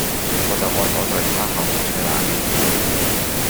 我就愛躲在他後面吹冷氣